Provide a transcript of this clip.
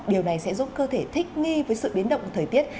điều này sẽ giúp cơ thể thích nghi với sự biến động của thời tiết